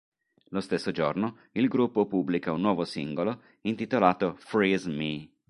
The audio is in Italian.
Lo stesso giorno il gruppo pubblica un nuovo singolo intitolato "Freeze Me".